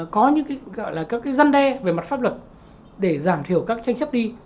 có những cái gọi là các cái răn đe về mặt pháp luật để giảm thiểu các tranh chấp đi